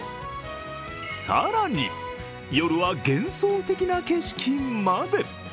更に、夜は幻想的な景色まで。